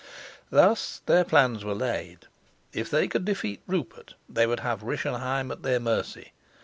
Thus their plans were laid. If they could defeat Rupert, they would have Rischenheim at their mercy.